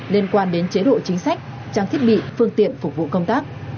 liên quan đến chế độ chính sách trang thiết bị phương tiện phục vụ công tác